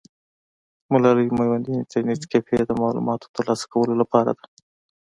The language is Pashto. ملالۍ میوندي انټرنیټ کیفې د معلوماتو ترلاسه کولو لپاره ده.